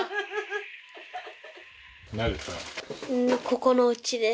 ここのおうちで？